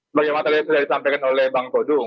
sebagai yang matalya sudah disampaikan oleh bang todung